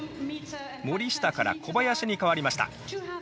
森下から小林に代わりました。